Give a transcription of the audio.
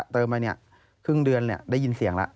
เติมมาเนี่ยครึ่งเดือนได้ยินเสียงแล้ว